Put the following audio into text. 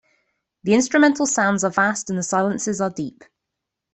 The instrumental sounds are vast the silences are deep.